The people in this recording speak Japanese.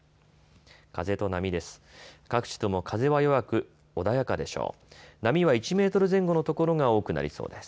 風と波です。